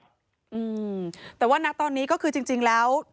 อืมแต่ว่านักตอนนี้ก็คือจริงแล้ว